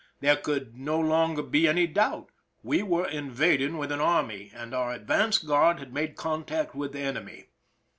There could no longer be any doubt: we were invading with an army, and our advance guard had made contact with the enemy.